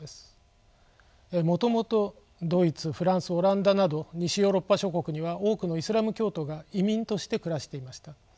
もともとドイツフランスオランダなど西ヨーロッパ諸国には多くのイスラム教徒が移民として暮らしていました。